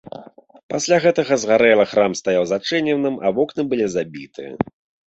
Пасля гэтага згарэлы храм стаяў зачыненым, а вокны былі забіты.